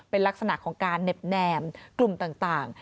เป็นลักษณะของการเหน็บแนมกลุ่มต่าง